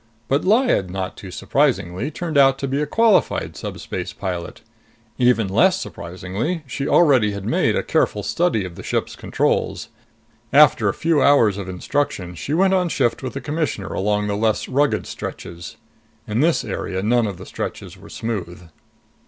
But Lyad, not too surprisingly, turned out to be a qualified subspace pilot. Even less surprisingly, she already had made a careful study of the ship's controls. After a few hours of instruction, she went on shift with the Commissioner along the less rugged stretches. In this area, none of the stretches were smooth.